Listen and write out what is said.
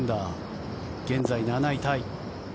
現在、７位タイ。